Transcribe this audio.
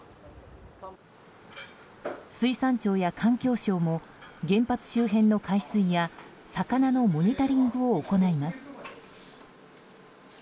水産庁や環境省も原発周辺の海水や魚のモニタリングを行います。